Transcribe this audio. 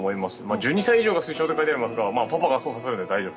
１２歳以上が推奨と書いてありますが父さんがやるので大丈夫。